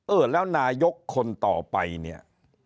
เออแล้วนายกคนต่อไปเนี่ย